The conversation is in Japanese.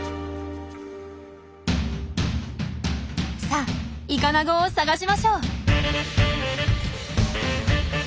さあイカナゴを探しましょう！